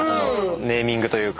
ネーミングというか。